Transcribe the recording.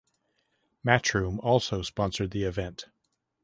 Matchroom also sponsored the event.